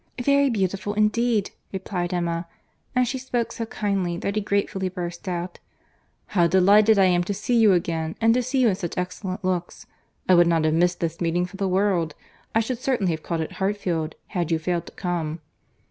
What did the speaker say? "Very beautiful, indeed," replied Emma; and she spoke so kindly, that he gratefully burst out, "How delighted I am to see you again! and to see you in such excellent looks!—I would not have missed this meeting for the world. I should certainly have called at Hartfield, had you failed to come."